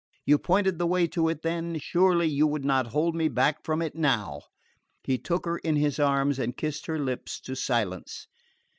You pointed the way to it then; surely you would not hold me back from it now?" He took her in his arms and kissed her lips to silence.